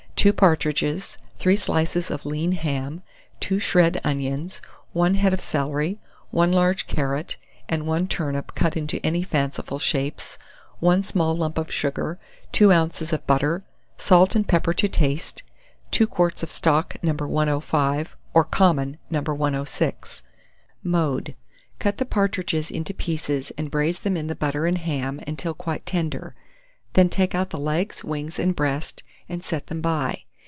2 partridges, 3 slices of lean ham, 2 shred onions, 1 head of celery, 1 large carrot, and 1 turnip cut into any fanciful shapes, 1 small lump of sugar, 2 oz. of butter, salt and pepper to taste, 2 quarts of stock No. 105, or common, No. 106. Mode. Cut the partridges into pieces, and braise them in the butter and ham until quite tender; then take out the legs, wings, and breast, and set them by.